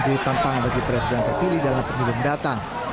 di mana pengadilan dari pemerintah terpilih dalam pemilihan datang